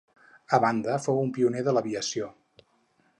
A banda fou un pioner de l'aviació.